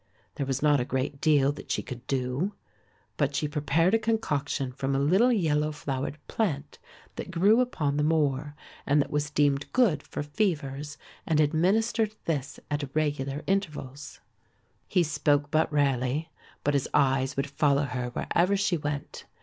There was not a great deal that she could do; but she prepared a concoction from a little yellow flowered plant that grew upon the moor and that was deemed good for fevers and administered this at regular intervals. He spoke but rarely, but his eyes would follow her wherever she went.